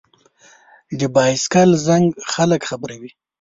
د بایسکل زنګ خلک خبروي.